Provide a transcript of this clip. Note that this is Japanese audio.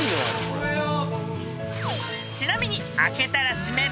［ちなみに］